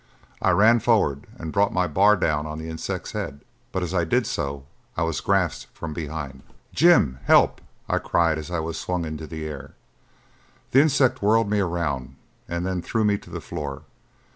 I ran forward and brought my bar down on the insect's head, but as I did so I was grasped from behind. "Jim, help!" I cried as I was swung into the air. The insect whirled me around and then threw me to the floor.